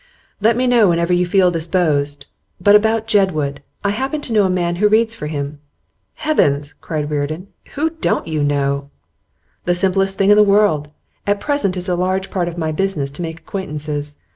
'Let me know whenever you feel disposed. But about Jedwood: I happen to know a man who reads for him.' 'Heavens!' cried Reardon. 'Who don't you know?' 'The simplest thing in the world. At present it's a large part of my business to make acquaintances.